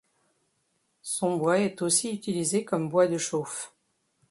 Son bois est aussi utilisé comme bois de chauffe.